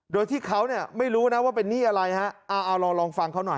โดยที่เขาเนี่ยไม่รู้นะว่าเป็นหนี้อะไรฮะเอาลองลองฟังเขาหน่อย